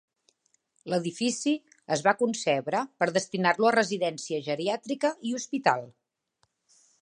L'edifici es va concebre per destinar-lo a residència geriàtrica i hospital.